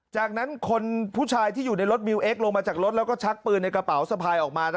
จากนั้นคนผู้ชายที่อยู่ในรถมิวเอ็กซลงมาจากรถแล้วก็ชักปืนในกระเป๋าสะพายออกมา